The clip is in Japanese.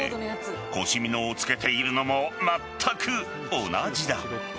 腰みのをつけているのもまったく同じだ。